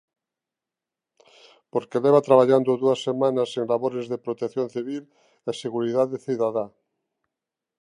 Porque leva traballando dúas semanas en labores de protección civil e seguridade cidadá.